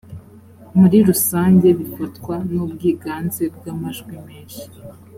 muri rusange bifatwa n’ubwiganze bw amajwi menshi.